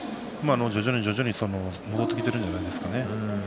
徐々に戻ってきているんじゃないですかね。